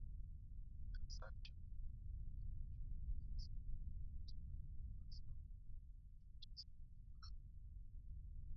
Hassan Sheikh Mohamud alimshukuru Rais Joe Biden katika ukurasa wa Twita siku ya Jumanne